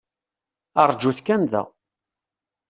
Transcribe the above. Aṛǧut kan da.